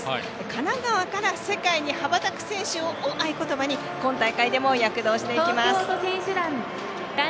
神奈川から世界に羽ばたく選手をを合言葉に今大会でも躍動していきます。